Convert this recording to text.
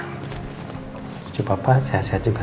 tujuh papa sehat sehat juga kan